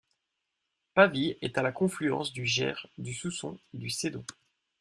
Pavie est à la confluence du Gers, du Sousson et du Cédon.